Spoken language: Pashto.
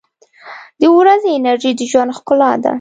• د ورځې انرژي د ژوند ښکلا ده.